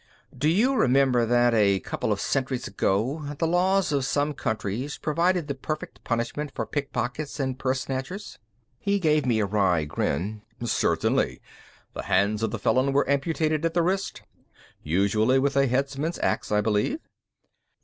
"Do you remember that, a couple of centuries ago, the laws of some countries provided the perfect punishment for pickpockets and purse snatchers?" He gave me a wry grin. "Certainly. The hands of the felon were amputated at the wrist. Usually with a headsman's ax, I believe."